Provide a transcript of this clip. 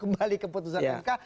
akan kembali ke putusan mk